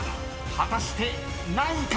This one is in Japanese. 果たして何位か⁉］